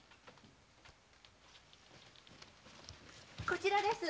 こちらです。